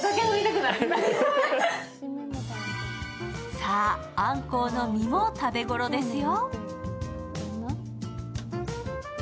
さあ、あんこうの身も食べ頃ですよ。